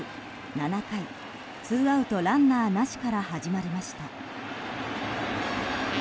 ７回ツーアウトランナーなしから始まりました。